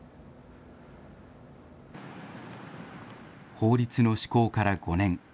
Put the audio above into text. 法律の施行から５年。